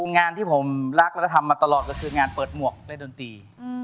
งานที่ผมรักและทำมาตลอดก็คืองานเปิดหมวกเล่นดนตรี